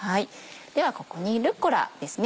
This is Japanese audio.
ではここにルッコラですね。